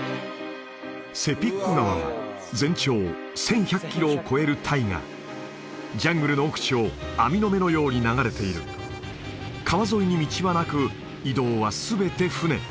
セピック川は全長１１００キロを超える大河ジャングルの奥地を網の目のように流れている川沿いに道はなく移動は全て船